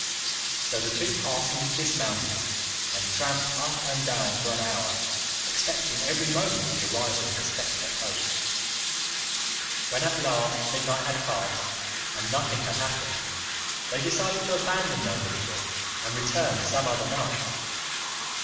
So the two parsons dismounted and tramped up and down for an hour, expecting every moment the arrival of the spectre coach. When at last midnight had passed and nothing had happened, they decided to abandon their vigil and return some other night.